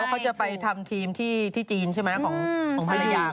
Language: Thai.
เขาจะไปทำทีมที่จีนใช่ไหมของภรรยา